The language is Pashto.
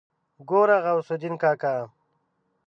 ګوره غوث الدين کاکا.